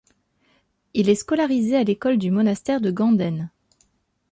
Il est scolarisé à l'école du monastère de Ganden.